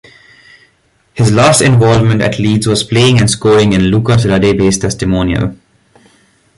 His last involvement at Leeds was playing and scoring in Lucas Radebe's testimonial.